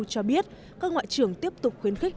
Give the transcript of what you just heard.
cho biết các ngoại trưởng tiếp tục khuyến khích